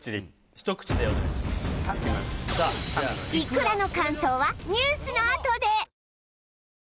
苦らの感想はニュースのあとで！